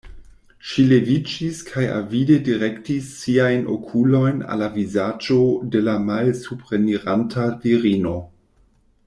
Ŝi leviĝis kaj avide direktis siajn okulojn al la vizaĝo de la malsupreniranta virino.